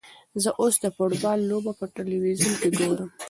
زه اوس د فوټبال لوبه په تلویزیون کې ګورم.